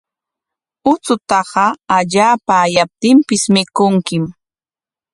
Uchutaqa allaapa ayaptinpis mikunkim.